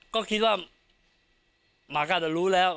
ก็คิดว่าหมาก็อาจจะรู้แล้ว